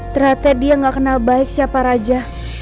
ternyata dia gak kenal baik siapa raja